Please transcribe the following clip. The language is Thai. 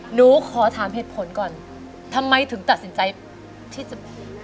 หนูขอถามเหตุผลก่อนทำไมถึงตัดสินใจที่จะ